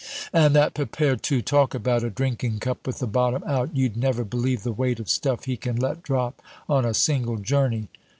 "And that Pepere, too, talk about a drinking cup with the bottom out! You'd never believe the weight of stuff he can let drop on a single journey."